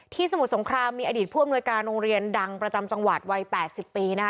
สมุทรสงครามมีอดีตผู้อำนวยการโรงเรียนดังประจำจังหวัดวัย๘๐ปีนะคะ